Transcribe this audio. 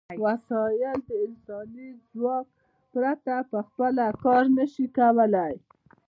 وسایل د انساني ځواک پرته په خپله کار نشي کولای.